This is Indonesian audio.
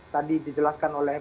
tadi dijelaskan oleh